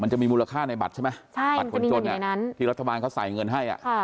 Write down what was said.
จะมีมูลค่าในบัตรใช่ไหมบัตรคนจนที่รัฐบาลเขาใส่เงินให้